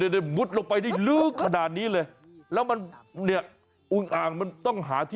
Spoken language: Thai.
ดูดิค่า